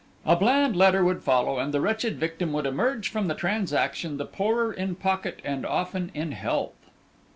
A bland letter would follow, and the wretched victim would emerge from the transaction the poorer in pocket and often in health.